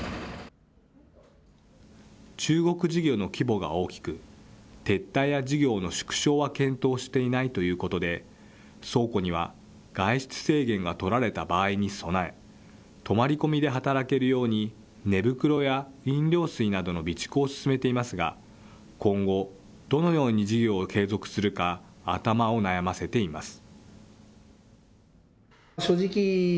中国事業の規模が大きく、撤退や事業の縮小は検討していないということで、倉庫には外出制限が取られた場合に備え、泊まり込みで働けるように、寝袋や飲料水などの備蓄を進めていますが、今後、どのように事業を継続するか、頭を悩ませています。